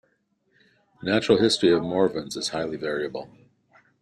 The natural history of Morvan's is highly variable.